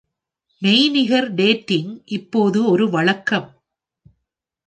மெய்நிகர் டேட்டிங் இப்போது ஒரு வழக்கம்.